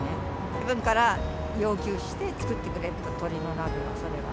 自分から要求して作ってくれと、鶏の鍋は、それは。